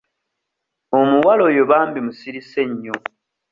Omuwala oyo bambi musirise nnyo.